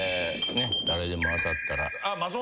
誰でも当たったら。